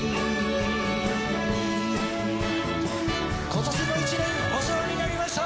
今年も１年お世話になりました。